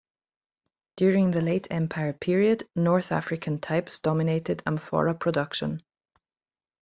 During the late empire period, north-African types dominated amphora production.